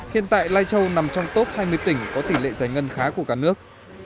hiện tại lai châu nằm trong top hai mươi tỉnh có tỷ lệ giải ngân khá của cả nước